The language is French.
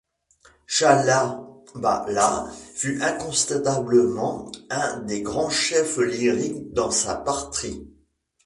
Chalabala fut incontestablement un des grands chefs lyriques dans sa patrie.